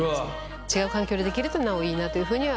違う環境でできるとなおいいなというふうには思います。